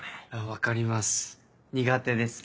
分かります苦手です。